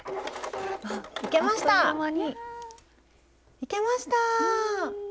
いけました！